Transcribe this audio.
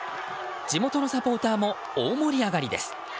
地元のサポーターも大盛り上がりです。